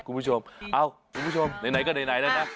คุณผู้ชมเอ้าคุณผู้ชมไหนก็ไหนแล้วนะ